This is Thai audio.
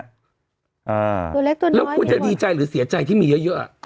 ตัวเล็กตัวน้อยแล้วคุณจะดีใจหรือเสียใจที่มีเยอะ